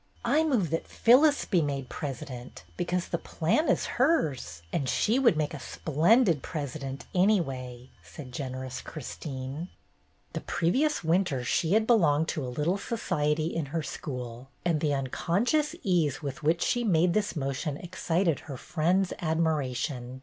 "I move that Phyllis be made president, because the plan is hers, and she would make a splendid president, anyway," said generous Christine. 12 178 BETTY BAIRD'S GOLDEN YEAR The previous winter she had belonged to a little society in her school, and the unconscious ease with which she made this motion excited her friends' admiration.